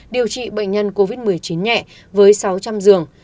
điều trị bệnh nhân covid một mươi chín nhẹ với sáu trăm linh giường